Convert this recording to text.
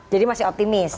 jadi masih optimis